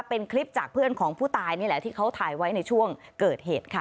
เป็นคลิปจากเพื่อนของผู้ตายนี่แหละที่เขาถ่ายไว้ในช่วงเกิดเหตุค่ะ